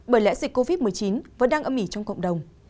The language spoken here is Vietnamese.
bởi lẽ dịch covid một mươi chín vẫn đang ở mỹ trong cộng đồng